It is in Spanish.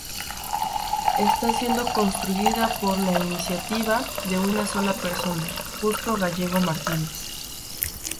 Está siendo construida por la iniciativa de una sola persona, Justo Gallego Martínez.